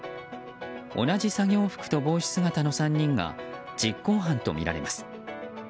同じ作業服と帽子姿の３人が実行犯とみられます。